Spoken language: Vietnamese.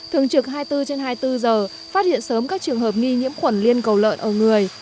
thường trực hai mươi bốn trên hai mươi bốn giờ phát hiện sớm các trường hợp nghi nhiễm khuẩn liên cầu lợn ở người